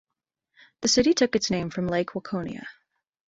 The city took its name from Lake Waconia.